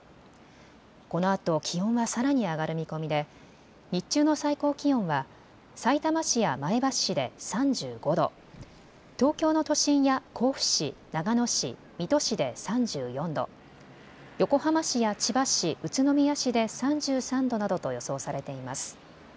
このあと気温はさらに上がる見込みで日中の最高気温はさいたま市や前橋市で３５度、東京の都心や甲府市、長野市、水戸市で３４度、横浜市や千葉市、宇都宮市で３３度などと予想されています。